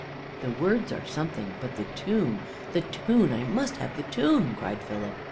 "The words are something, but the tune the tune I must have the tune," cried Philip.